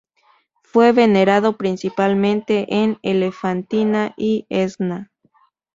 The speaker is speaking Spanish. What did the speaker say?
Fue venerado principalmente en Elefantina y Esna.